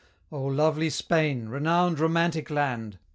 Oh, lovely Spain! renowned, romantic land!